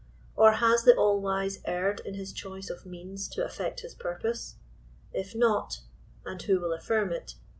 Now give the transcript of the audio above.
Or has the All wise erred in his choice of means to effect his purpose ? If not — and who will affirm it?